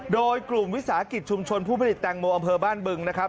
โดยกลุ่มวิสาหกิจชุมชนผู้ผลิตแตงโมอำเภอบ้านบึงนะครับ